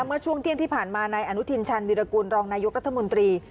เมื่อช่วงเที่ยงที่ผ่านมานายอนุทินชาญวิรากูลรองนายกรัฐมนตรี